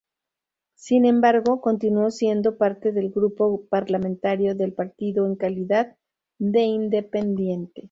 Sin embargo, continuó siendo parte del grupo parlamentario del partido en calidad de independiente.